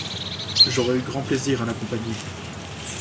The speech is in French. J’aurais eu grand plaisir à l’accompagner.